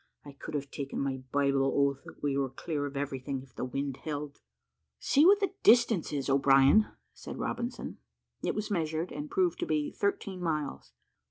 I could have taken my Bible oath that we were clear of everything, if the wind held." "See what the distance is, O'Brien," said Robinson. It was measured, and proved to be thirteen miles.